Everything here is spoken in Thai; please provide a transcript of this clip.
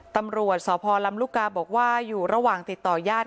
ตำรวจสภรรรึบกะบอกว่าเบอร์อยู่ระหว่างติดต่อญาติ